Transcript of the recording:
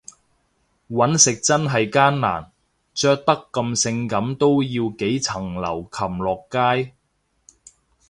搵食真係艱難，着得咁性感都要幾層樓擒落街